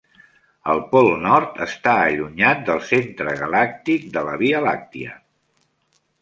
El Pol Nord està allunyat del centre galàctic de la Via Làctia.